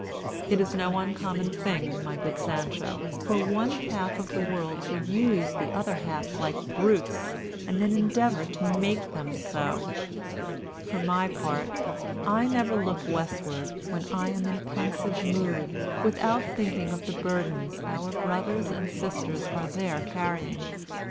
"It is no uncommon thing, my good Sancho, for one half of the world to use the other half like brutes, and then endeavor to make them so. For my part, I never look Westward, when I am in a pensive mood, without thinking of the burdens our brothers and sisters are there carrying.